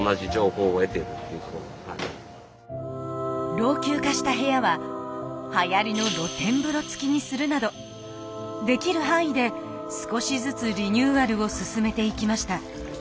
老朽化した部屋ははやりの露天風呂付きにするなどできる範囲で少しずつリニューアルを進めていきました。